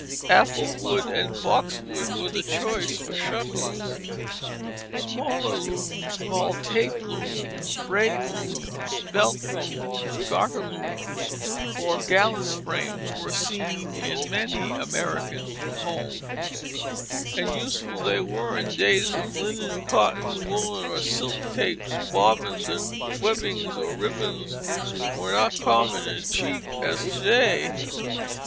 Apple wood and boxwood were the choice for shuttles. Smaller looms, called tape looms, braid looms, belt looms, garter looms, or "gallus frames," were seen in many American homes, and useful they were in days when linen, cotton, woollen, or silk tapes, bobbins, and webbings or ribbons were not common and cheap as to day.